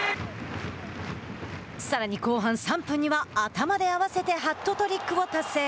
さらに後半３分には頭で合わせてハットトリックを達成。